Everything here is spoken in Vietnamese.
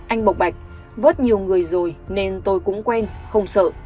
anh bộc bạch vớt nhiều người rồi nên tôi cũng quen không sợ